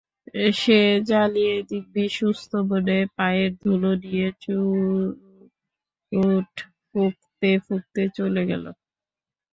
সে জ্বালিয়ে দিব্যি সুস্থ মনে পায়ের ধুলো নিয়ে চুরুট ফুঁকতে ফুঁকতে চলে গেল।